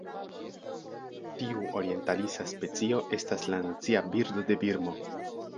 Tiu orientalisa specio estas la nacia birdo de Birmo.